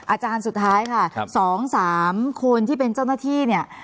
อาจารย์สุดท้ายค่ะ๒๓คนที่เป็นเจ้าหน้าที่เนี่ย